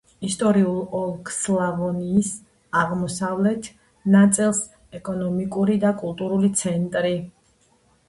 ისტორიულ ოლქ სლავონიის აღმოსავლეთ ნაწილის ეკონომიკური და კულტურული ცენტრი.